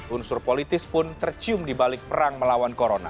unsur politis pun tercium di balik perang melawan corona